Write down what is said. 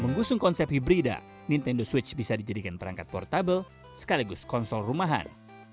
menggusung konsep hibrida nintendo switch bisa dijadikan perangkat portable sekaligus konsol rumahan